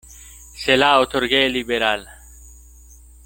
se la otorgué liberal.